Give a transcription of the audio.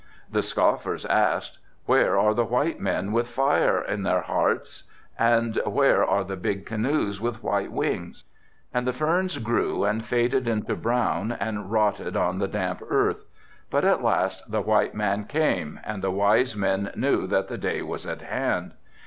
The scoffers asked, 'Where are the white men with fire in their hearts, and where are the big canoes with white wings?' And the ferns grew and faded into brown and rotted on the damp earth. But at last the white man came and the wise men knew that the day was at hand.